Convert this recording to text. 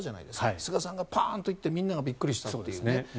菅さんがパーンと言ってみんながびっくりしたっていう。